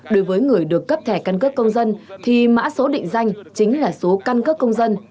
đối với người được cấp thẻ căn cước công dân thì mã số định danh chính là số căn cấp công dân